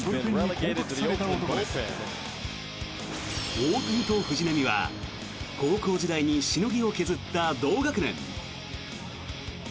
大谷と藤浪は高校時代にしのぎを削った同学年。